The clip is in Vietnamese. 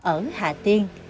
ở hạ tiên